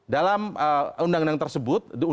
dalam undang undang tersebut